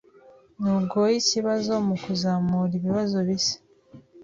Ntugoye ikibazo mukuzamura ibibazo bishya.